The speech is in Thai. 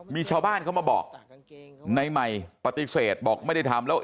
มีชาวบ้านเขามาบอกในใหม่ปฏิเสธบอกไม่ได้ทำแล้ว